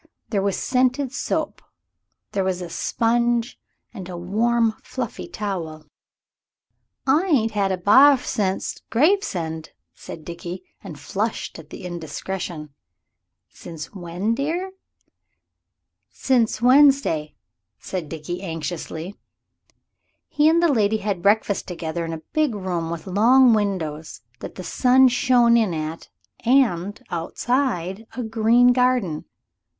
There was scented soap, there was a sponge, and a warm, fluffy towel. "I ain't had a barf since Gravesend," said Dickie, and flushed at the indiscretion. "Since when, dear?" "Since Wednesday," said Dickie anxiously. He and the lady had breakfast together in a big room with long windows that the sun shone in at, and, outside, a green garden.